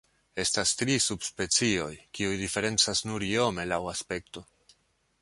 Estas tri subspecioj, kiuj diferencas nur iome laŭ aspekto.